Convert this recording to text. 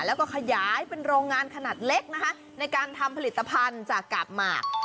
แล้วก็ขยายเป็นโรงงานขนาดเล็กนะคะในการทำผลิตภัณฑ์จากกาบหมาก